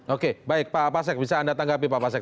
oke baik pak pasek bisa anda tanggapi pak pasek